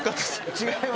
違います！